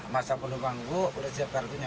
masa penumpang gue boleh siap kartunya